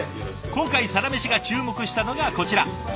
今回「サラメシ」が注目したのがこちら。